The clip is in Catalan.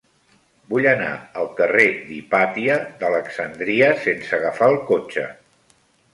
Vull anar al carrer d'Hipàtia d'Alexandria sense agafar el cotxe.